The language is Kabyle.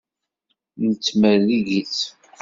Nettmerrig-itt.